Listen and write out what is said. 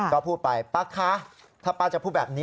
ก็พูดไปป้าคะถ้าป้าจะพูดแบบนี้